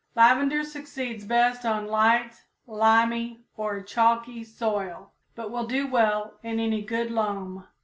_ Lavender succeeds best on light, limy or chalky soil, but will do well in any good loam.